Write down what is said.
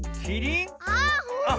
あっ！